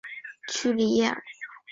屈里耶尔。